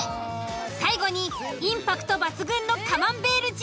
最後にインパクト抜群のカマンベ―ルチ―